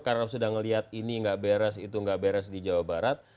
karena sudah ngelihat ini gak beres itu gak beres di jawa barat